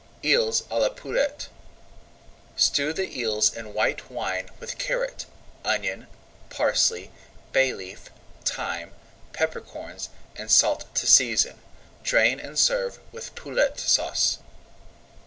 EELS À LA POULETTE Stew the eels in white wine with carrot, onion, parsley, bay leaf, thyme, pepper corns, and salt to season. Drain and serve with Poulette Sauce.